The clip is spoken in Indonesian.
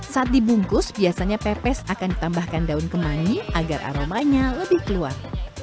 saat dibungkus biasanya pepes akan ditambahkan daun kemangi agar aromanya lebih keluar